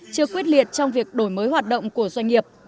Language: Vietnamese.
chưa quyết liệt trong việc đổi mới hoạt động của doanh nghiệp